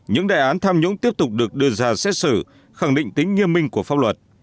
những đề án tham nhũng tiếp tục được đưa ra xét xử khẳng định tính nghiêm minh của pháp luật